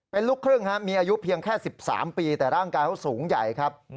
เป็นลูกครึ่งมีอายุเพียงแค่๑๓ปีแต่ร่างกายเขาสูงใหญ่ครับ